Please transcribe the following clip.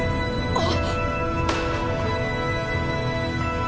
あっ！